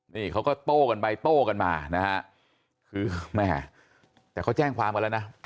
นี่เขาก็โต้กันไปโต้กันมานะฮะคือแม่แต่เขาแจ้งความกันแล้วนะ